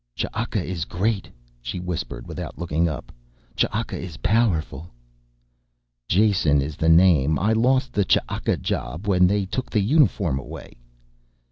"Ch'aka is great," she whispered without looking up. "Ch'aka is powerful...." "Jason is the name, I lost the Ch'aka job when they took the uniform away."